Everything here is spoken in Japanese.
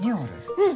うん。